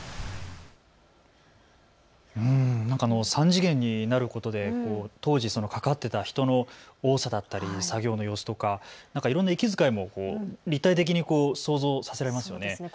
３次元になることで当時関わっていた人の多さだったり作業の様子とか、いろんな息遣いも立体的に想像させられますよね。